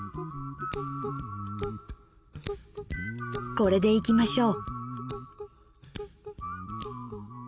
これでいきましょう。